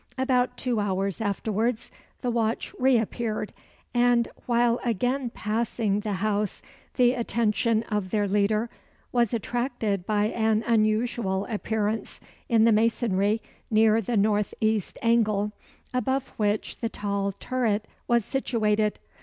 About two hours afterwards the watch re appeared, and, while again passing the house, the attention of their leader was attracted by an unusual appearance in the masonry near the north east angle, above which the tall turret was situated.